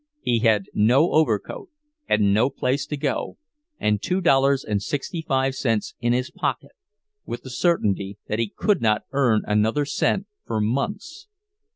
He had no overcoat, and no place to go, and two dollars and sixty five cents in his pocket, with the certainty that he could not earn another cent for months.